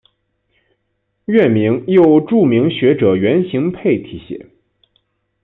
院名又著名学者袁行霈题写。